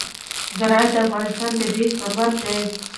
زراعت د افغانستان طبعي ثروت دی.